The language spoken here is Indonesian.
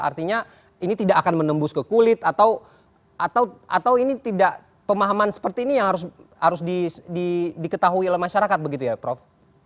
artinya ini tidak akan menembus ke kulit atau ini tidak pemahaman seperti ini yang harus diketahui oleh masyarakat begitu ya prof